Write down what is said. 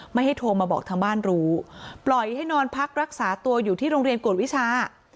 ไม่ให้โทรมาบอกทางบ้านรู้ปล่อยให้นอนพักรักษาตัวอยู่ที่โรงเรียนกวดวิชา